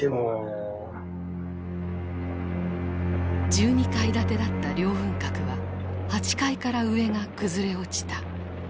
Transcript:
１２階建てだった凌雲閣は８階から上が崩れ落ちた。